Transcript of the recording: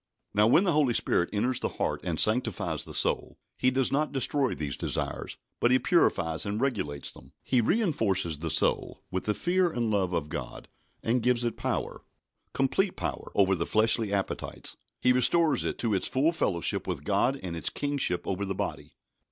Now, when the Holy Spirit enters the heart and sanctifies the soul, He does not destroy these desires, but He purifies and regulates them. He reinforces the soul with the fear and love of God, and gives it power, complete power, over the fleshly appetites. He restores it to its full fellowship with God and its kingship over the body.